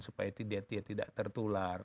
supaya dia tidak tertular